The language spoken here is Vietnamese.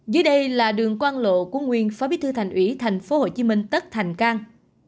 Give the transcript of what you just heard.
dưới đây là đường quan lộ của nguyên phó bí thư thành ủy thành phố hồ chí minh tất thành cang